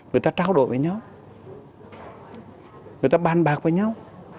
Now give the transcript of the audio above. người ta trao đổi với nhau người ta bàn bạc với nhau